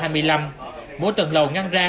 mỗi tầng lầu ngăn ra